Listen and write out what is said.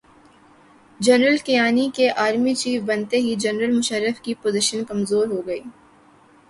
General Kayani کے army chief بنتے ہی جنرل مشرف کی پوزیشن کمزورہوگئی۔